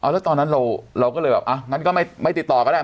แล้วตอนนั้นเราก็เลยแบบงั้นก็ไม่ติดต่อก็ได้